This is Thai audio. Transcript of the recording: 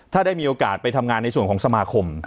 ถ้าได้มีโอกาสไปทำงานในส่วนของสมาคม